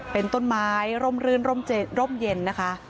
เป็นต้นไม้ร่มรื่นร่มเย็นนะคะ